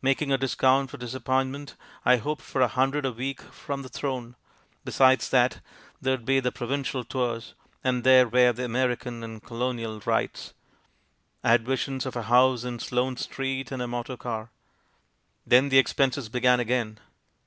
Making a discount for disappointment, I hoped for a hundred a week from the Throne; besides that, there' d be the provincial tours, and there were the American and Colonial rights. I had visions of a house in Sloane Street, and a motor car. "Then the expenses began again.